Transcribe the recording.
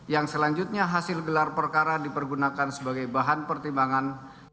yang selanjutnya hasil gelar perkara dipergunakan sebagai bahan pertimbangan